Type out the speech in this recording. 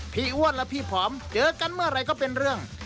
อ้วนและพี่ผอมเจอกันเมื่อไหร่ก็เป็นเรื่อง